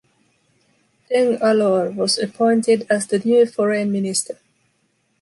Deng Alor was appointed as the new foreign minister.